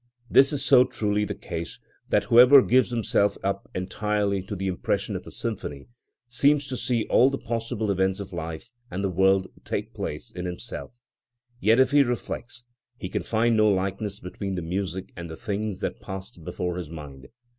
This is so truly the case, that whoever gives himself up entirely to the impression of a symphony, seems to see all the possible events of life and the world take place in himself, yet if he reflects, he can find no likeness between the music and the things that passed before his mind.